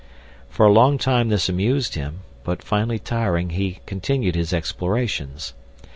For a long time this amused him, but finally tiring he continued his explorations.